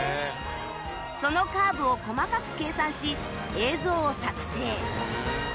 そのカーブを細かく計算し映像を作成